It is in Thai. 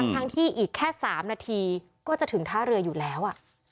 ทั้งที่อีกแค่๓นาทีก็จะถึงท่าเรืออยู่แล้ว